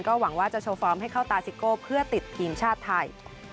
หวังว่าจะโชว์ฟอร์มให้เข้าตาซิโก้เพื่อติดทีมชาติไทย